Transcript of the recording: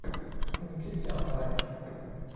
คุณคิดอย่างไร ?